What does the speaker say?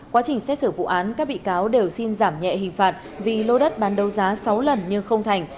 quá trình xét xử vụ án các bị cáo đều xin giảm nhẹ hình phạt vì lô đất bán đấu giá sáu lần nhưng không thành